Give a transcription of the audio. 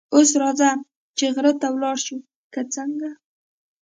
اوس راځه چې غره ته ولاړ شو، که څنګه؟